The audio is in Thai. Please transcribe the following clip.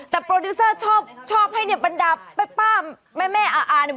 แต่โปรดิวเซอร์ชอบชอบให้เนี่ยบรรดาแป๊บป้ามแม่แม่อาร์อาร์เนี่ย